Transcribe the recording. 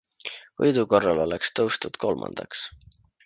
Võidu korral oleks tõustud kolmandaks.